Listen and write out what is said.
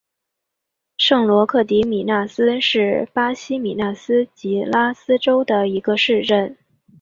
圣罗克迪米纳斯是巴西米纳斯吉拉斯州的一个市镇。